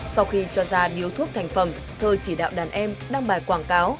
sau khi cho ra điếu thuốc thành phẩm thơ chỉ đạo đàn em đăng bài quảng cáo